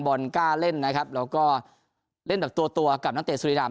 กล้าเล่นนะครับแล้วก็เล่นแบบตัวตัวกับนักเตะสุริราม